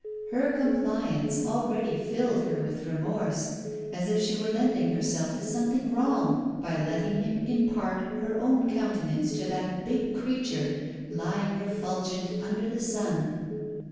Her compliance already filled her with remorse, as if she were lending herself to something wrong by letting him impart her own countenance to that big creature, lying refulgent under the sun.